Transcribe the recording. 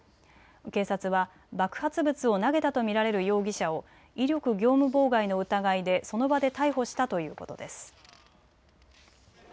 警察は爆発物を投げたと見られる容疑者を威力業務妨害の疑いでその場で逮捕したということです。